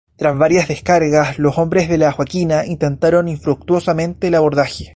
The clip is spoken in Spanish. Tras varias descargas los hombres de la "Joaquina" intentaron infructuosamente el abordaje.